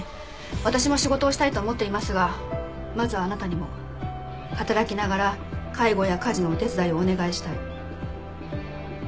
私も仕事をしたいと思っていますがまずはあなたにも働きながら介護や家事のお手伝いをお願いしたい。